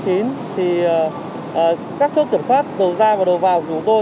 các chỗ kiểm soát đầu ra và đầu vào của chúng tôi